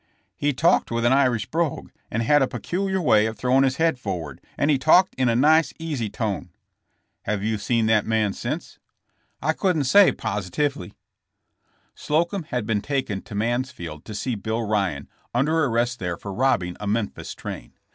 "He talked with an Irish brogue and had a pecu liar way of throwing his head forward, and he talked in a nice, easy tone." "Have you seen that man since?" THS TRIAI< FOR TRAIN ROBBERY. 159 *'I couldn't say positively.*' Sloeum had been taken to Mansfield to see Bill Eyan, under arrest there for robbing a Memphis train.